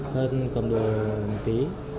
hơn cầm đồ một tí